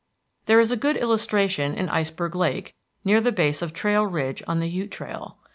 There is a good illustration in Iceberg Lake, near the base of Trail Ridge on the Ute Trail.